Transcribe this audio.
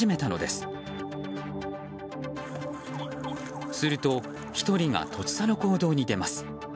すると、１人がとっさの行動に出ます。